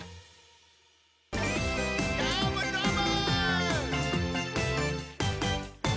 どーもどーも！